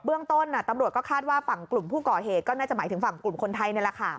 เรื่องต้นตำรวจก็คาดว่าฝั่งกลุ่มผู้ก่อเหตุก็น่าจะหมายถึงฝั่งกลุ่มคนไทยนี่แหละค่ะ